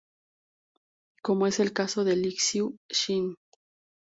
Como es el caso de Liu Xin.